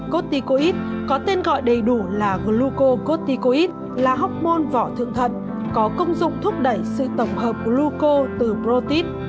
corticoid có tên gọi đầy đủ là glucocorticoid là học môn vỏ thượng thật có công dụng thúc đẩy sự tổng hợp gluco từ protein